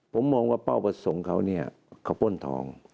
ผมมองว่าเป้าประสงค์เขาเนี่ยเขาป้นทอง